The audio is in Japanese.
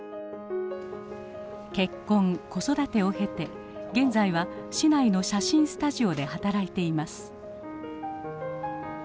結婚子育てを経て現在は市内の写真スタジオで働いています。